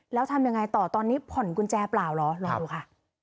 แล้วทำยังไงต่อตอนนี้ผ่อนกุญแจเปล่าเหรอลองดูค่ะ